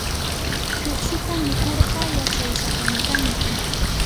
tukshuta mikurqa yachaysapam kanki.